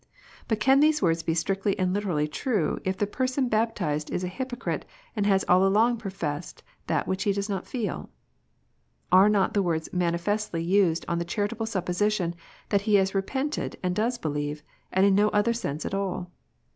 But can these words be strictly and literally true if the person baptized is a hypocrite, and has all along professed that which he does not feel 1 Are not the words manifestly used on the charitable supposition that he has repented and does believe, and in no other sense at all